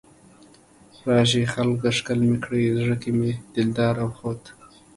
راشئ خلکه ښکل مې کړئ، زړه کې مې دلدار اوخوت